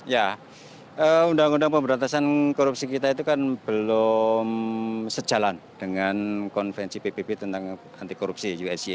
ya undang undang pemberantasan korupsi kita itu kan belum sejalan dengan konvensi pbb tentang anti korupsi usg